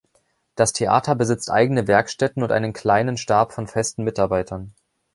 Das Theater besitzt eigene Werkstätten und einen kleinen Stab von festen Mitarbeitern.